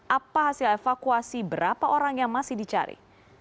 apa hasil evakuasi berapa orang yang masih dicari